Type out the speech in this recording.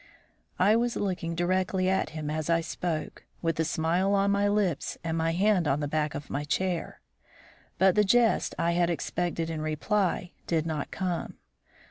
I was looking directly at him as I spoke, with a smile on my lips and my hand on the back of my chair. But the jest I had expected in reply did not come.